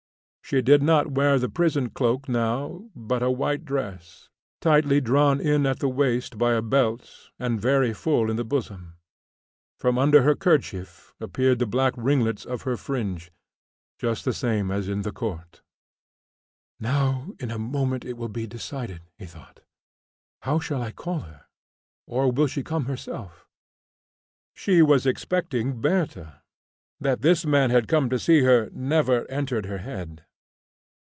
She did not wear the prison cloak now, but a white dress, tightly drawn in at the waist by a belt, and very full in the bosom. From under her kerchief appeared the black ringlets of her fringe, just the same as in the court. "Now, in a moment it will be decided," he thought. "How shall I call her? Or will she come herself?" She was expecting Bertha; that this man had come to see her never entered her head.